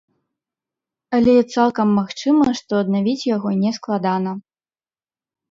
Але цалкам магчыма, што аднавіць яго не складана.